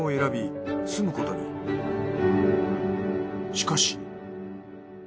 しかし。